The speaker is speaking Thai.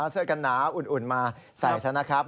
เสื้อกันหนาวอุ่นมาใส่ซะนะครับ